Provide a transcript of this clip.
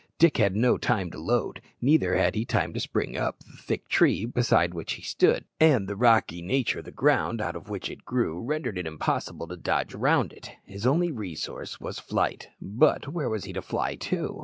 Dick had no time to load, neither had he time to spring up the thick tree beside which he stood, and the rocky nature of the ground out of which it grew rendered it impossible to dodge round it. His only resource was flight; but where was he to fly to?